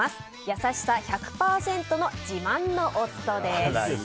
優しさ１００％の自慢の夫です。